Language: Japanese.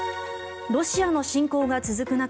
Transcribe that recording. ロシアの侵攻が続く中